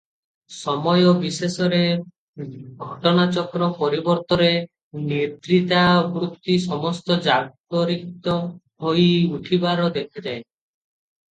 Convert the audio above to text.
ସମୟ ବିଶେଷରେ ଘଟନାଚକ୍ର ପରିବର୍ତ୍ତରେ ନିଦ୍ରିତା ବୃତ୍ତି ସମସ୍ତ ଜାଗରିତ ହୋଇ ଉଠିବାର ଦେଖାଯାଏ ।